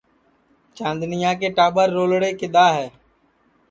چاندنِیا کے ٹاٻر رولڑے کِدؔا ہے